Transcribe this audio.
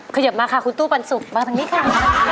เขยิบมาค่ะคุณตู้ปันสุกมาทางนี้ค่ะ